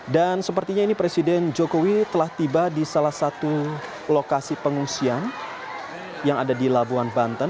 dan sepertinya ini presiden jokowi telah tiba di salah satu lokasi pengungsian yang ada di labuan banten